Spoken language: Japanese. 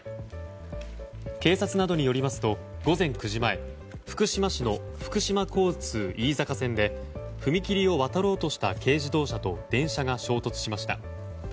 警察などによりますと午前９時前福島市の福島交通飯坂線で踏切を渡ろうとした軽自動車と電車が衝突しました。